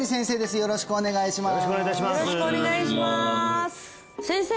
よろしくお願いします先生！